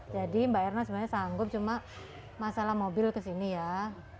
jadi mbak erna sebenarnya sanggup cuma masalah mobil kesini ya oke